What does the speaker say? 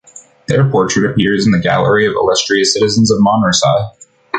Their portrait appears in the Gallery of illustrious citizens of Manresa.